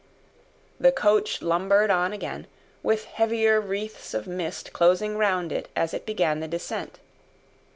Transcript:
The coach lumbered on again, with heavier wreaths of mist closing round it as it began the descent.